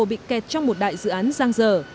bị kẹt trong một đại dự án giang dở